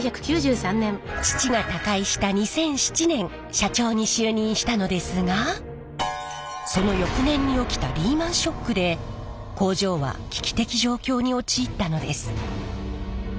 父が他界した２００７年社長に就任したのですがその翌年に起きたリーマンショックで工場は危機的状況に陥ったのです。